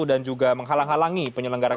dan juga menghalang halangi penyelenggaraan